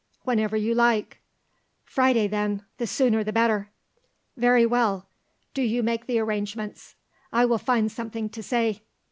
"Whenever you like." "Friday, then, the sooner the better." "Very well; do you make the arrangements; I will find something to say."